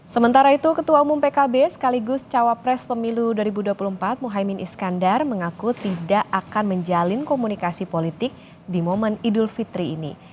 sementara itu ketua umum pkb sekaligus cawapres pemilu dua ribu dua puluh empat muhaymin iskandar mengaku tidak akan menjalin komunikasi politik di momen idul fitri ini